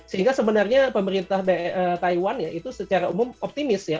sehingga sebenarnya pemerintah taiwan ya itu secara umum optimis ya